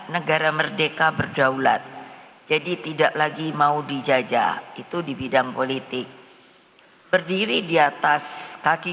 negara merdeka berdaulat jadi tidak lagi mau dijajah itu di bidang politik berdiri di atas kaki